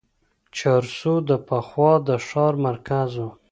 چارسو د پخوا د ښار مرکز و.